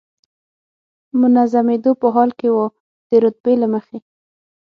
منظمېدو په حال کې و، د رتبې له مخې.